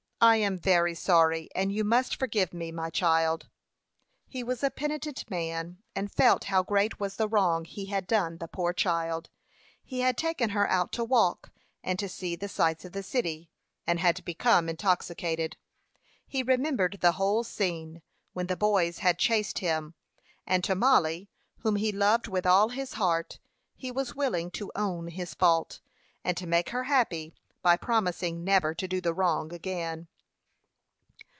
"I am very sorry, and you must forgive me, my child." He was a penitent man, and felt how great was the wrong he had done the poor child. He had taken her out to walk, and to see the sights of the city, and had become intoxicated. He remembered the whole scene, when the boys had chased him; and to Mollie, whom he loved with all his heart, he was willing to own his fault, and to make her happy by promising never to do the wrong again.